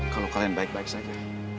kalau kalian baik baik saja